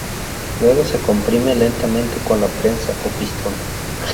Luego se comprime lentamente con la prensa o pistón.